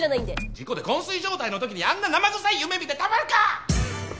事故で昏睡状態の時にあんな生臭い夢見てたまるか！